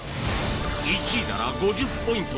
１位なら５０ポイント